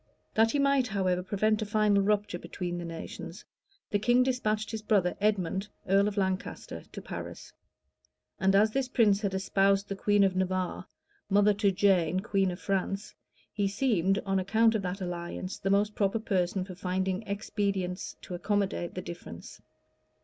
[] {1294.} That he might, however, prevent a final rupture between the nations, the king despatched his brother, Edmond, earl of Lancaster, to Paris; and as this prince had espoused the queen of Navarre, mother to Jane, queen of France, he seemed, on account of that alliance, the most proper person for finding expedients to accommodate the difference.